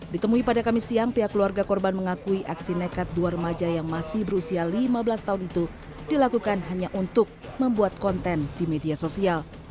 ditemui pada kamis siang pihak keluarga korban mengakui aksi nekat dua remaja yang masih berusia lima belas tahun itu dilakukan hanya untuk membuat konten di media sosial